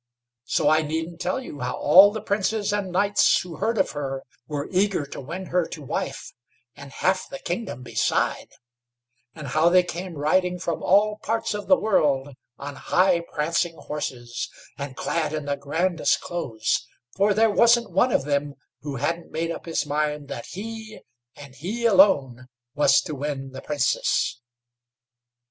So I needn't tell you how all the princes and knights who heard of her were eager to win her to wife, and half the kingdom beside; and how they came riding from all parts of the world on high prancing horses, and clad in the grandest clothes, for there wasn't one of them who hadn't made up his mind that he, and he alone, was to win the Princess.